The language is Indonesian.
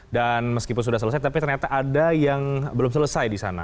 dan meskipun sudah selesai tapi ternyata ada yang belum selesai di sana